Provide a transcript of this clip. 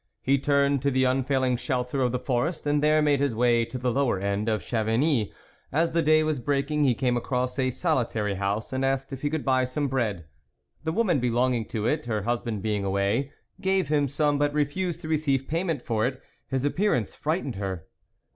He turned to the unfailing shelter of the forest, and there made his way to the lower end of Chavigny; as the day was breaking he came across a solitary house, and asked if he could buy some bread. The woman belonging to it, her husband being away, gave him some, but refused to receive payment for it ; his appearance frightened her.